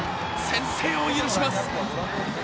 先制を許します。